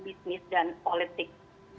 bisnis dan politik